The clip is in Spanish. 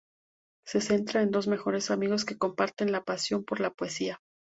Se centra en dos mejores amigos que comparten la pasión por la poesía.